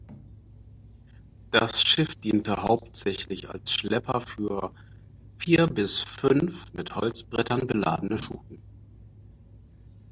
Das Schiff diente hauptsächlich als Schlepper für vier bis fünf mit Holzbrettern beladene Schuten.